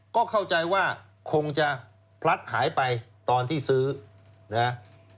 ก็เข้าใจว่าคงจะพลัดหายไปตอนที่ซื้อนะครับ